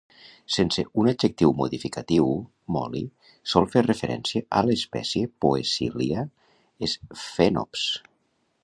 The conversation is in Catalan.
Sense un adjectiu modificatiu, molly sol fer referència a l"espècie "Poecilia sphenops".